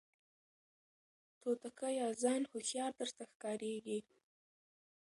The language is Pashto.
توتکیه ځان هوښیار درته ښکاریږي